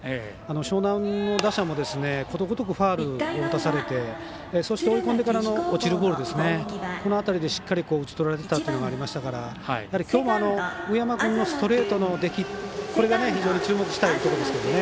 樟南の打者もことごとくファウルを打たされてそうして追い込んでからの落ちるボールが打ちとられていたというのがありましたからきょうも上山君のストレートの出来に注目したいところですけどね。